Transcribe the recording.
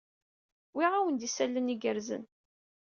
Wwiɣ-awen-d isalan igerrzen.